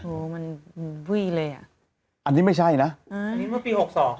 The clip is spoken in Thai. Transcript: โอ้มันวี่ยเลยอ่ะอันนี้ไม่ใช่นะอ่าอันนี้เมื่อปีหกสอง